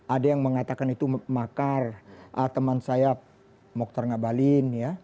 ada yang mengatakan itu makar teman saya mokhtar ngabalin